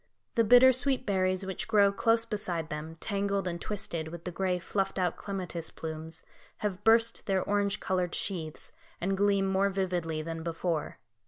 The bitter sweet berries which grow close beside them, tangled and twisted with the gray, fluffed out clematis plumes, have burst their orange coloured sheaths, and gleam more vividly than before.